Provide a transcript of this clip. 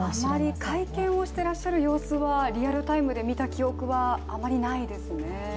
会見をしてらっしゃる様子はリアルタイムで見た記憶はあまりないですね。